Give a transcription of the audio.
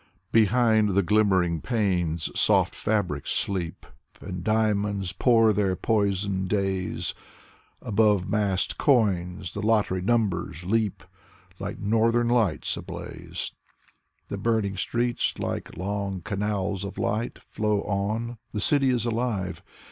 Behind the glimmering panes soft fabrics sleep, And diamonds pour their poison daze. Above massed coins the lottery numbers leap Like northern lights ablaze. The burning streets like long canals of light Flow on — the city is alive.